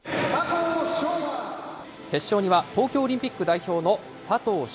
決勝には東京オリンピック代表の佐藤翔